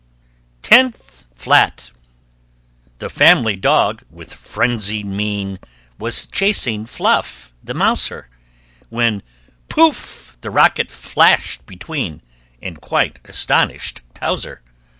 [Illustration: NINTH FLAT] TENTH FLAT The family dog, with frenzied mien, Was chasing Fluff, the mouser, When, poof! the rocket flashed between, And quite astonished Towzer.